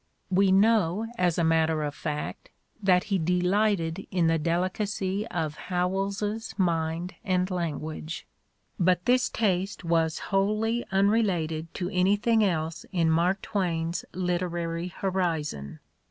" We know, as a matter of fact, that he i delighted in the delicacy of Howells's mind and lan guage. But this taste was wholly unrelated to anything else in Mark Twain's literary horizon.